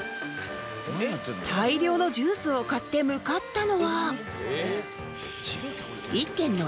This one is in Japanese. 大量のジュースを買って向かったのは